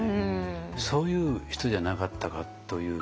そういう人じゃなかったかという。